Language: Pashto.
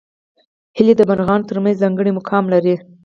هیلۍ د مرغانو تر منځ ځانګړی مقام لري